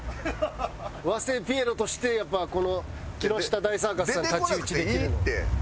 和製ピエロとしてやっぱこの木下大サーカスさんに太刀打ちできるように。